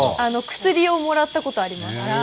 薬をもらったことあります。